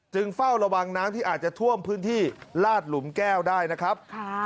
เฝ้าระวังน้ำที่อาจจะท่วมพื้นที่ลาดหลุมแก้วได้นะครับ